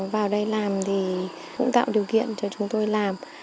vào đây làm thì cũng tạo điều kiện cho chúng tôi làm